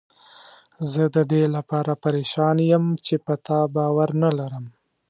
زه ددې لپاره پریشان یم چې په تا باور نه لرم.